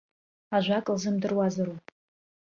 Ажәак лзымдырузароуп!